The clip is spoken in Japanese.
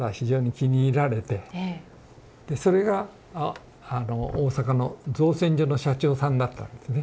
それが大阪の造船所の社長さんだったんですね。